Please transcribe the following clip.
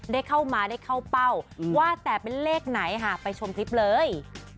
ได้เข้ามาได้เข้าเป้าว่าแต่เป็นเลขไหนค่ะไปชมคลิปเลย